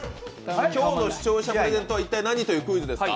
今日の視聴者プレゼントは一体何かという問題ですか。